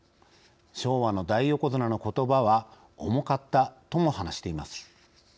昭和の大横綱の言葉は重かった」とも話しています。